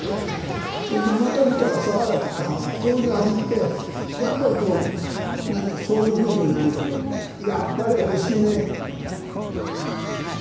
ままかりとかさわらとかこういう味ってやっぱりこうソウルフードじゃないけどやっぱりおいしいね。